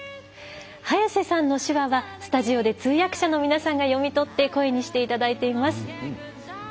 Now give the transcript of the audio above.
早瀬さんの手話は、スタジオで通訳者の皆さんが読み取って声にしていただいています。